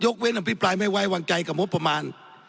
เว้นอภิปรายไม่ไว้วางใจกับงบประมาณ